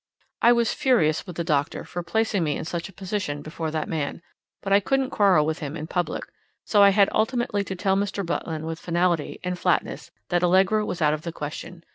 I was furious with the doctor for placing me in such a position before that man, but I couldn't quarrel with him in public; so I had ultimately to tell Mr. Bretland with finality and flatness, that Allegra was out of the question.